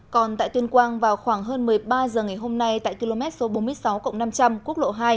còn tại tuyên quang vào khoảng hơn một mươi ba h ngày hôm nay tại km bốn mươi sáu năm trăm linh quốc lộ hai